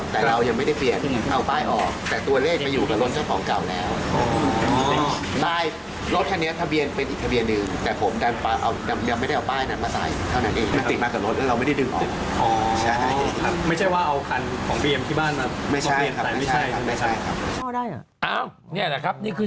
ทะเบียนที่บ้านไม่ใช่ไม่ใช่ไม่ใช่ครับนี่แหละครับนี่คือ